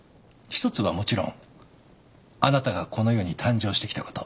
一つはもちろんあなたがこの世に誕生してきたこと。